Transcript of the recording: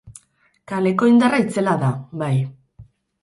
Kaleko indarra itzela da, bai.